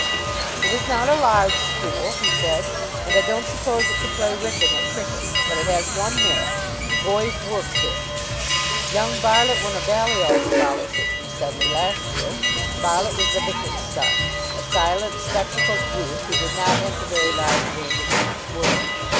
"It is not a large school," he said, "and I don't suppose it could play Wrykyn at cricket, but it has one merit boys work there. Young Barlitt won a Balliol scholarship from Sedleigh last year." Barlitt was the vicar's son, a silent, spectacled youth who did not enter very largely into Mike's world.